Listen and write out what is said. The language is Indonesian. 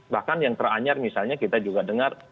bahkan yang teranyar misalnya kita juga dengar